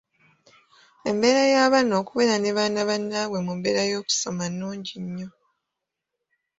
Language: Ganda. Embeera y’abaana okubeera ne baana bannaabwe mu mbeera y’okusoma nnungi nnyo.